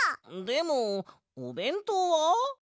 でもおべんとうは？